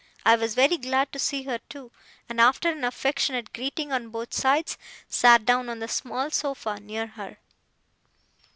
I was very glad to see her too, and, after an affectionate greeting on both sides, sat down on the small sofa near her.